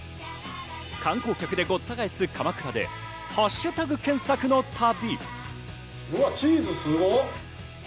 観光客でごった返す鎌倉でハッシュタグ検索の旅。